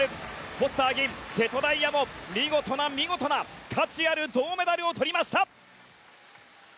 フォスター、銀瀬戸大也も見事な見事な価値ある銅メダルを取りました！